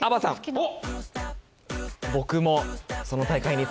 おっ。